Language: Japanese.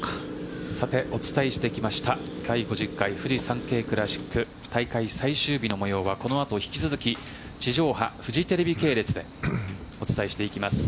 お伝えしてきました第５０回フジサンケイクラシック大会最終日の模様はこのあと引き続き地上波フジテレビ系列でお伝えしていきます。